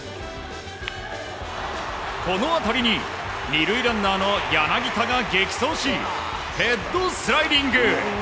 この当たりに２塁ランナーの柳田が激走しヘッドスライディング。